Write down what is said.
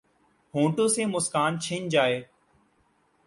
ہونٹوں سے مسکان چھن جائے